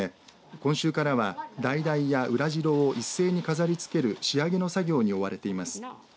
今週からはだいだいやウラジロを一斉に飾りつける仕上げの作業に追われています。